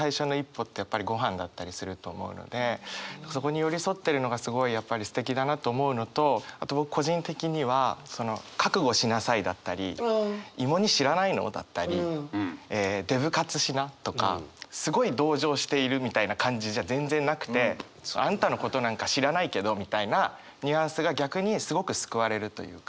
そこに寄り添ってるのがすごいすてきだなと思うのとあと僕個人的には「覚悟しなさい」だったり「芋煮知らないの？」だったり「デブ活しな」とかすごい同情しているみたいな感じじゃ全然なくて。あんたのことなんか知らないけどみたいなニュアンスが逆にすごく救われるというか。